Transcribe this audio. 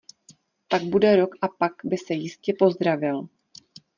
Pak bude rok a pak by se jistě pozdravil!